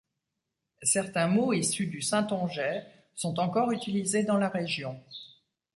Certains mots issus du saintongeais sont encore utilisés dans la région.